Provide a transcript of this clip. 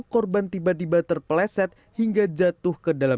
korban tiba tiba terpeleset hingga jatuh ke dalam